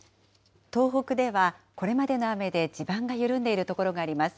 東北では、これまでの雨で地盤が緩んでいる所があります。